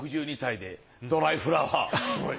６２歳で『ドライフラワー』。